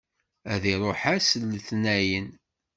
Ad iṛuḥ ass n letnayen.